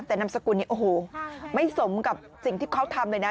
แต่นามสกุลเนี่ยโอ้โหไม่สมกับสิ่งที่เขาทำเลยนะ